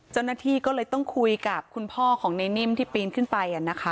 เจ้าหน้าที่ก็เลยต้องคุยกับคุณพ่อของในนิ่มที่ปีนขึ้นไป